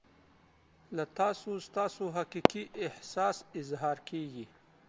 له تاسو ستاسو حقیقي احساس اظهار کیږي.